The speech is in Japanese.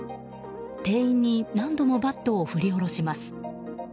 店員に何度もバットを振り下ろします。